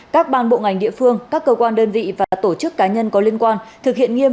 các ban bộ ngành địa phương các cơ quan đơn vị và tổ chức cá nhân có liên quan thực hiện nghiêm